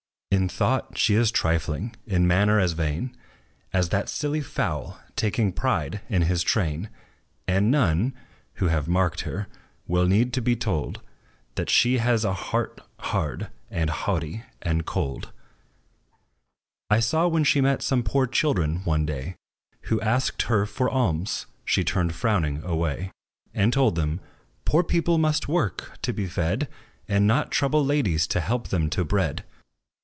In thought she is trifling in manner as vain As that silly fowl, taking pride in his train; And none, who have marked her, will need to be told That she has a heart hard, and haughty, and cold. I saw, when she met some poor children one day, Who asked her for alms, she turned frowning away; And told them, "Poor people must work, to be fed, And not trouble ladies, to help them to bread."